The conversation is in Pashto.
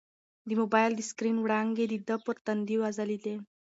د موبایل د سکرین وړانګې د ده پر تندي وځلېدې.